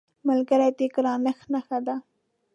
ملګری د ګرانښت نښه ده